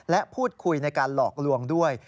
และพูดคุยในการหลอกลวงด้วย